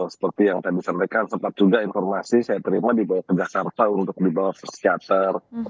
seperti yang tadi saya berikan sempat juga informasi saya terima di baya pegasarpa untuk dibawa ke seater